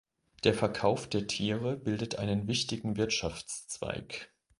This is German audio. Der Verkauf der Tiere bildet einen wichtigen Wirtschaftszweig.